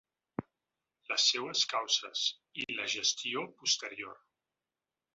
Les seues causes, i la gestió posterior.